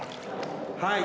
はい。